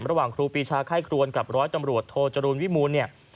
ระหว่างครูปีชาไข้ครวนกับร้อยกำรวจโทจรูนวิมูล